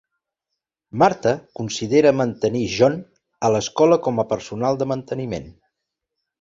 Martha considera mantenir John a l'escola com a personal de manteniment.